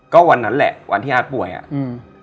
ก็วันนั้นแหละวันที่อาร์ตป่วยอ่ะอืม